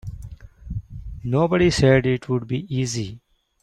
Nobody said it would be easy.